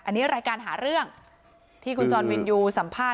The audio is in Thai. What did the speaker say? อันนี้รายการหาเรื่องที่คุณจรวินยูสัมภาษณ